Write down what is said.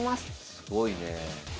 すごいねえ。